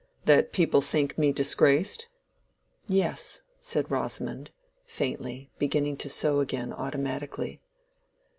"That people think me disgraced?" "Yes," said Rosamond, faintly, beginning to sew again automatically.